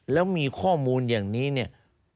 แล้วมีข้อมูลอย่างนี้เนี่ย